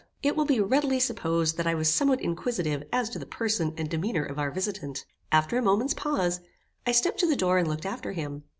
It will be readily supposed that I was somewhat inquisitive as to the person and demeanour of our visitant. After a moment's pause, I stepped to the door and looked after him.